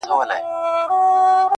نه د سرو ملو پیمانه سته زه به چیري ځمه؛